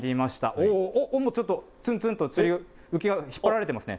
おー、おー、もうちょっとつんつんと浮きが、引っ張られていますね。